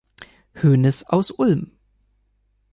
Hoeneß aus Ulm.